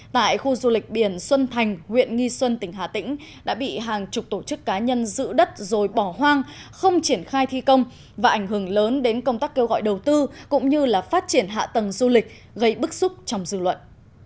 tại khu du lịch biển xuân thành huyện nghi xuân tỉnh hà tĩnh đã bị hàng chục tổ chức cá nhân giữ đất rồi bỏ hoang không triển khai thi công và ảnh hưởng lớn đến công tác kêu gọi đầu tư cũng như là phát triển hạ tầng du lịch gây bức xúc trong dư luận